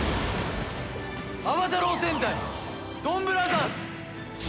『暴太郎戦隊ドンブラザーズ』！